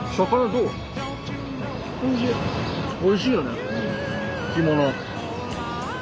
おいしいよね干物。